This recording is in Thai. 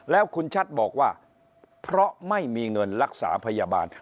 แล้วคุณชัดบอกว่าเพราะไม่มีเงินรักษาพยาบาล